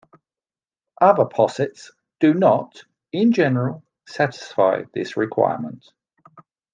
Other posets do not, in general, satisfy this requirement.